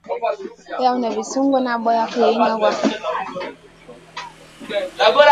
Lawna vi sunguda ɓlak liyna wa.